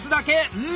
うん？